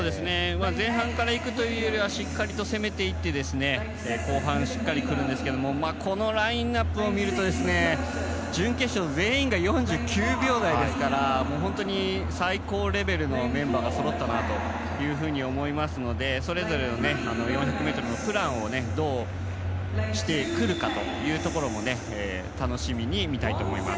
前半から行くというよりはしっかりと攻めていって後半しっかり来るんですけどこのラインアップを見ると準決勝全員が４９秒台ですから本当に最高レベルのメンバーがそろったなと思いますのでそれぞれの４００ｍのプランをどうしてくるかというところも楽しみに見たいと思います。